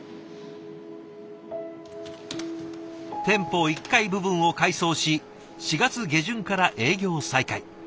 店舗１階部分を改装し４月下旬から営業再開。